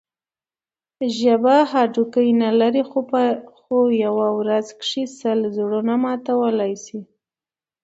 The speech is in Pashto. ژبه هډوکی نه لري؛ خو په یوه ورځ کښي سل زړونه ماتولای سي.